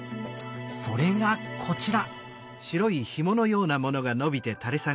それがこちら！